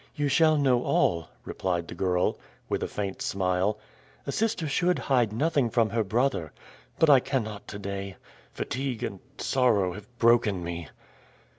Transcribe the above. "You shall know all," replied the girl, with a faint smile. "A sister should hide nothing from her brother. But I cannot to day. Fatigue and sorrow have broken me."